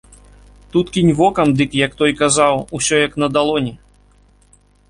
Тут кінь вокам, дык, як той казаў, усё як на далоні!